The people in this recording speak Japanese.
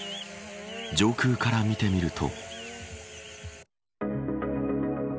上空から見てみると。